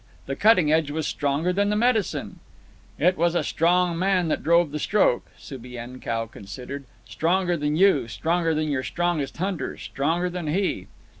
The cutting edge was stronger than the medicine." "It was a strong man that drove the stroke." (Subienkow considered.) "Stronger than you, stronger than your strongest hunter, stronger than he."